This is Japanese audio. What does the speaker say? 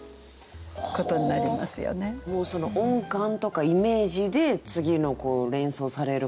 もうその音感とかイメージで次の連想される